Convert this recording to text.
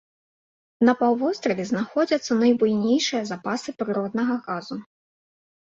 На паўвостраве знаходзяцца найбуйнейшыя запасы прыроднага газу.